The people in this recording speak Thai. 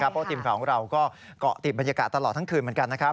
เพราะทีมข่าวของเราก็เกาะติดบรรยากาศตลอดทั้งคืนเหมือนกันนะครับ